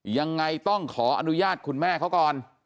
ยังไงต้องขออนุญาตคุณแม่เขาก่อน